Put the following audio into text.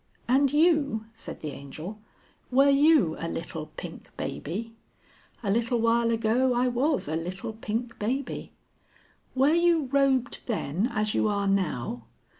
"And you?" said the Angel. "Were you a little pink baby?" "A little while ago I was a little pink baby." "Were you robed then as you are now?"